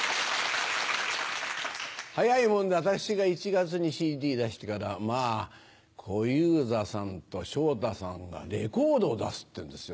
早いもので私が１月にＣＤ出してからまぁ小遊三さんと昇太さんがレコードを出すってんですよ。